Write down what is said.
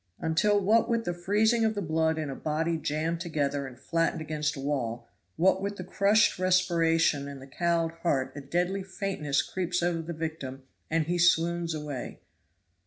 "Until what with the freezing of the blood in a body jammed together and flattened against a wall what with the crushed respiration and the cowed heart a deadly faintness creeps over the victim and he swoons away!"